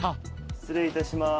失礼いたします。